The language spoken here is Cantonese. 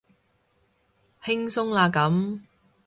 輕鬆啦咁